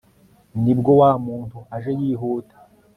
ni bwo wa muntu aje yihuta